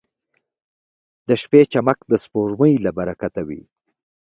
• د شپې چمک د سپوږمۍ له برکته وي.